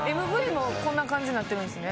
ＭＶもこんな感じになってるんですね。